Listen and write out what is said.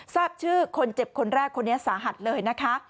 ทราบชื่อคนเจ็บคนแรกคนนี้สาหัสเลยนะคะ